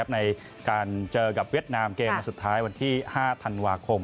ในการเจอกับเวียดนามเกมสุดท้ายวันที่๕ธันวาคม